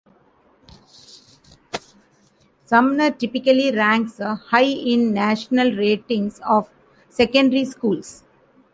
Sumner typically ranks high in national ratings of secondary schools.